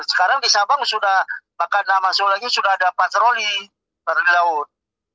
sekarang di sabang sudah makanya masuk lagi sudah ada patroli perli laut